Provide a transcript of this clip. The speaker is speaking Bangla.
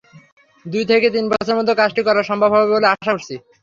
দুই থেকে তিন বছরের মধ্যে কাজটি করা সম্ভব হবে বলে আশা করছি।